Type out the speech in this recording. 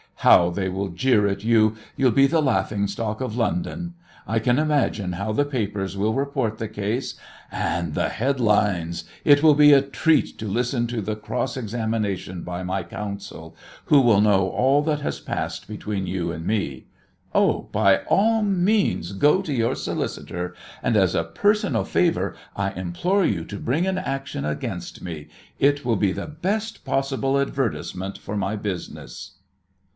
How they will jeer at you! You'll be the laughing stock of London! I can imagine how the papers will report the case. And the headlines! It will be a treat to listen to the cross examination by my counsel, who will know all that has passed between you and me. Oh, by all means go to your solicitor, and as a personal favour I implore you to bring an action against me. It would be the best possible advertisement for my business."